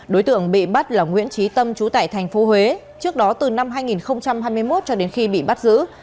đối tượng bị bắt là nguyễn trí tâm trú tại tp huế trước đó từ năm hai nghìn hai mươi một cho đến khi bị bắt giữ